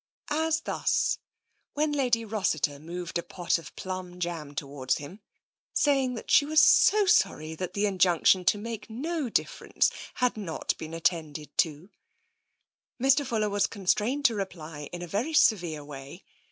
As thus, when Lady Rossiter moved a pot of plum jam towards him, saying that she was so sorry that the injunction to make no difference had not been at tended to, Mr. Fuller was constrained to reply in a very severe way.